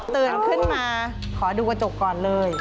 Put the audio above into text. ตื่นขึ้นมาอีกทีตอน๑๐โมงเช้า